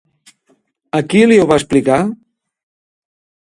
A qui li ho va explicar?